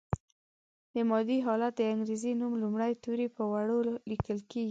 د مادې حالت د انګریزي نوم لومړي توري په وړو لیکل کیږي.